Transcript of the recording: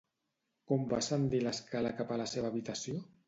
Com va ascendir l'escala cap a la seva habitació?